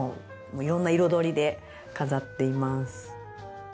色んな彩りで飾っています。